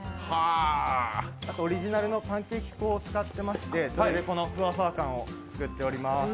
オリジナルのパンケーキ粉を使ってまして、このふわふわ感を出しております。